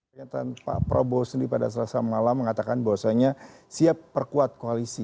pertanyaan pak prabowo sendiri pada selesai malam mengatakan bahwasanya siap perkuat koalisi